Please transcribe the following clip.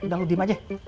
udah lu diem aja